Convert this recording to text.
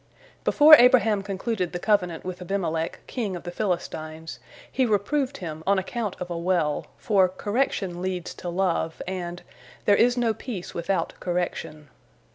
Before Abraham concluded the covenant with Abimelech, king of the Philistines, he reproved him on account of a well, for "Correction leads to love," and "There is no peace without correction."